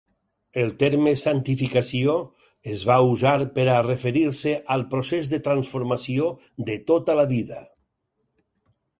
El terme "santificació" es va usar per a referir-se al procés de transformació de tota la vida.